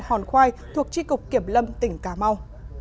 hòn khoai thuộc tri cục kiểm lâm tỉnh cà mau